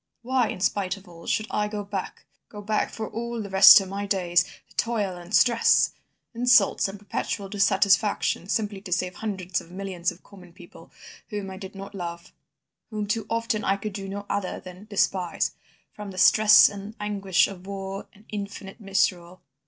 Why, in spite of all, should I go back, go back for all the rest of my days to toil and stress, insults and perpetual dissatisfaction, simply to save hundreds of millions of common people, whom I did not love, whom too often I could do no other than despise, from the stress and anguish of war and infinite misrule?